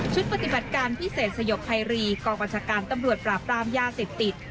ปฏิบัติการพิเศษสยบภัยรีกองบัญชาการตำรวจปราบปรามยาเสพติด